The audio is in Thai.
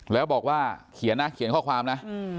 แล้วบอกว่าเขียนข้อความนะ